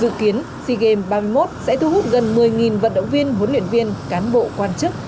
dự kiến sea games ba mươi một sẽ thu hút gần một mươi vận động viên huấn luyện viên cán bộ quan chức